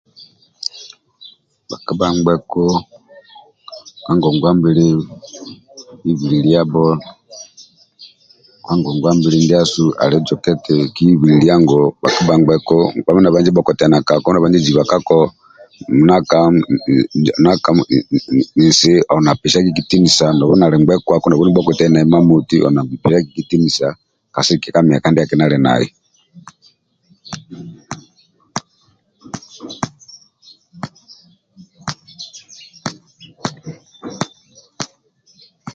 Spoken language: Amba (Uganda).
Bhakpa bhangbeku ka ngonguwa mbili hibililiabho ka ngonguwa mbili ndiasu ali joka eti kihibililia ngu bhakpa bhangbeku kabha nabanji bhokotuana kako kabha nabanji ziba kako naka naka nsi oli na pesiaki kitinisa nobu nandi ngbekuako nobu nibhubhokotuani mamoti oli na pesiaki kitinisa ka sigikilia myaka ndiaki ndialinai.